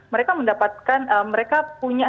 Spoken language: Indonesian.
mereka mendapatkan mereka punya